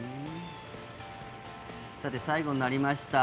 さて、最後になりました